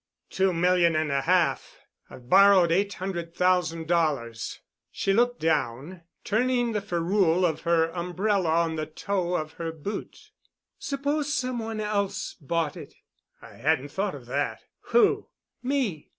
"Two million and a half. I've borrowed eight hundred thousand dollars." She looked down, turning the ferrule of her umbrella on the toe of her boot. "Suppose some one else bought it?" "I hadn't thought of that. Who?" "Me."